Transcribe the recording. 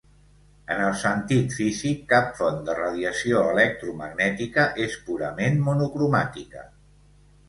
En el sentit físic, cap font de radiació electromagnètica és purament monocromàtica.